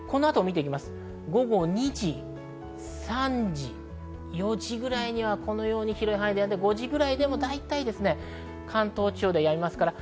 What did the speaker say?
午後２時、３時、４時ぐらいには、このように広い範囲でやんで、５時ぐらいでも関東地方ではやみます。